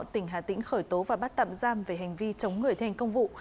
tỉnh hà tĩnh khởi tố và bắt tạm giam về hành vi chống người thi hành công vụ